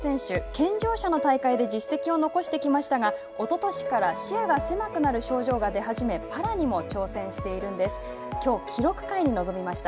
健常者の大会で実績を残してきましたがおととしから視野が狭くなる症状が出始めパラにも挑戦しているんです。